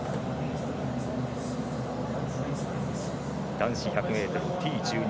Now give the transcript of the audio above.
男子１００ｍＴ１２